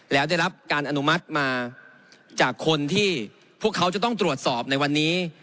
แล้วได้รับการอนุมัติมาจากคนที่พวกเขาจะต้องตรวจสอบในวันนี้